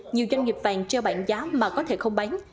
nhiều doanh nghiệp vàng treo bảng giá mà có thể không bán